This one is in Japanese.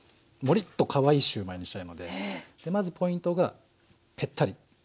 モリッとかわいいシューマイにしたいのでまずポイントがペッタリ。